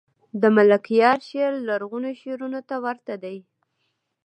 دملکیار شعر لرغونو شعرونو ته ورته دﺉ.